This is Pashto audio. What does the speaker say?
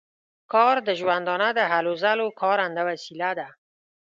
کار د ژوندانه د هلو ځلو کارنده وسیله ده.